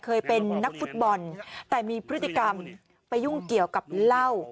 เคยเป็นนักฟุตบอลแต่มีพฤติกรรมไปยุ่งเกี่ยวกับเหล้า